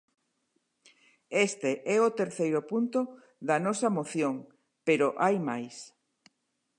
Este é o terceiro punto da nosa moción, pero hai máis.